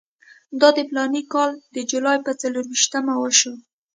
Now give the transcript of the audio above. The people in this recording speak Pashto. دا د فلاني کال د جولای پر څلېرویشتمه وشو.